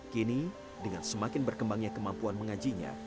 kini dengan semakin berkembangnya kemampuan mengajinya